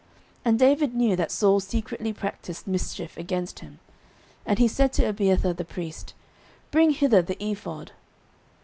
09:023:009 And David knew that Saul secretly practised mischief against him; and he said to Abiathar the priest, Bring hither the ephod.